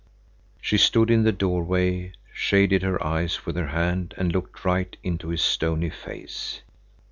She stood in the doorway, shaded her eyes with her hand, and looked right into his stony face.